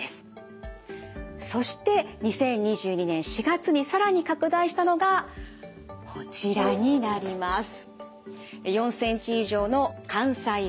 そして２０２２年４月に更に拡大したのがこちらになります。